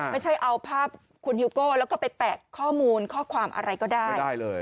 ไม่ใช่เอาภาพคุณฮิวโก้แล้วก็ไปแปะข้อมูลข้อความอะไรก็ได้เลย